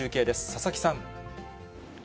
佐々木さん。